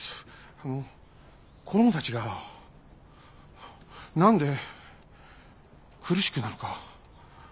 あの子供たちが何で苦しくなるか。